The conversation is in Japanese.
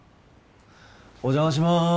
お邪魔しまーす。